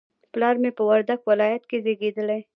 پلار مې په وردګ ولایت کې زیږدلی